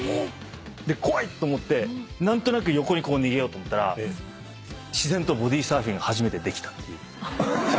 で怖いと思って何となく横に逃げようと思ったら自然とボディーサーフィン初めてできたっていう。